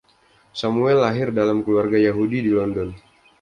Samuel lahir dalam keluarga Yahudi di London.